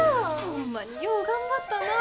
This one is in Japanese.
ホンマによう頑張ったな。